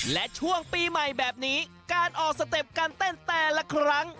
และช่วงปีใหม่แบบนี้การออกสเต็ปการเต้นแต่ละครั้ง